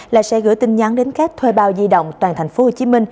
là sẽ gửi tin nhắn đến các thuê bao di động toàn tp hcm